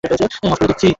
Of করে দিচ্ছি।